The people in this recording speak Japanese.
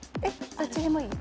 どっちでもいい？